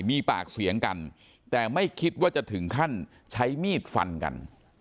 มีปากเสียงกันแต่ไม่คิดว่าจะถึงขั้นใช้มีดฟันกัน